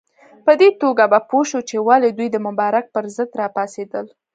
په دې توګه به پوه شو چې ولې دوی د مبارک پر ضد راپاڅېدل.